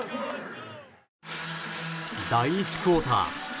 第１クオーター。